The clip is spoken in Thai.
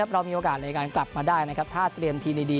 เรามีโอกาสในการกลับมาได้นะครับถ้าเตรียมทีมดี